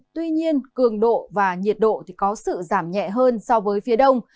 tuy nhiên cường độ và nhiệt độ có sự giảm nhẹ hơn so với phía đông